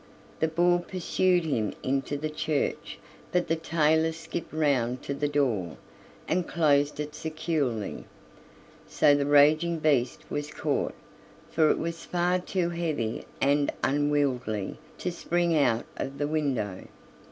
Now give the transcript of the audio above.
The boar pursued him into the church, but the tailor skipped round to the door, and closed it securely. So the raging beast was caught, for it was far too heavy and unwieldy to spring out of the window.